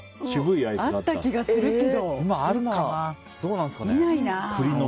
あった気がするけど見ないな。